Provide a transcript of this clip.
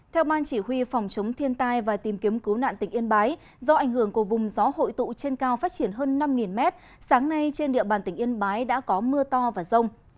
theo ban chỉ huy phòng chống thiên tai và tìm kiếm cứu nạn tỉnh yên bái do ảnh hưởng của vùng gió hội tụ trên cao phát triển hơn năm mét sáng nay trên địa bàn tỉnh yên bái đã có mưa to và rông